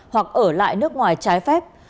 hoặc ở lại nước ngoài trái phép